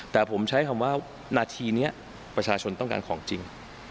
แต่ผมใช้คำว่านาทีนี้ประชาชนต้องการของจริง